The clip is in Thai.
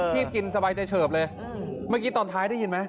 ขีบกินสบายใจเฉิบเลย